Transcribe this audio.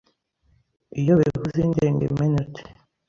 Iyo bevuze indengemenote,